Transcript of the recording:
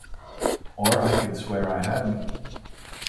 Or I could swear I hadn't.